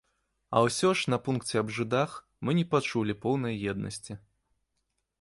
А ўсё ж на пункце аб жыдах мы не пачулі поўнай еднасці.